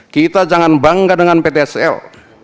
kita jangan bangga dengan ptsl